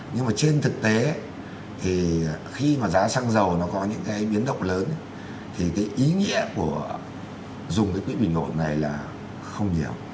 nhưng mà trên thực tế thì khi mà giá xăng dầu nó có những cái biến động lớn thì cái ý nghĩa của dùng cái quỹ bình ổn này là không nhiều